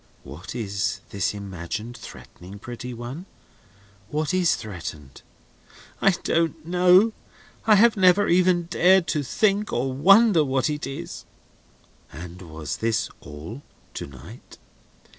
"What is this imagined threatening, pretty one? What is threatened?" "I don't know. I have never even dared to think or wonder what it is." "And was this all, to night?"